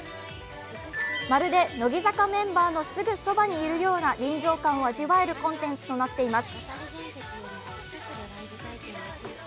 まるで乃木坂メンバーのすぐそばにいるような臨場感を味わえるコンテンツとなっています。